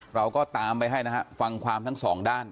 เราก็ตามไปให้นะฮะฟังความทั้งสองด้าน